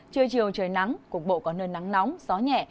trưa chiều trời nắng cục bộ có nơi nắng nóng gió nhẹ